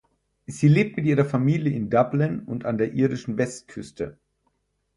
Sie lebt mit ihrer Familie in Dublin und an der irischen Westküste.